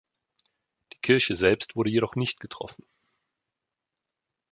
Die Kirche selbst wurde jedoch nicht getroffen.